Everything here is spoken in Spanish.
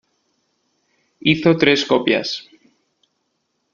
Hizo tres copias.